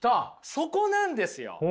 そこなんですよ！